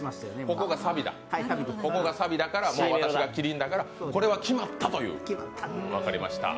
ここがサビだ、ここがサビだから、麒麟だからとこれは決まったという、分かりました。